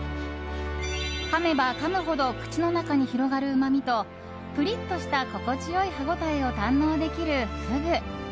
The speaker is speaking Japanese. かめばかむほど口の中に広がるうまみとプリッとした心地よい歯応えを堪能できるフグ。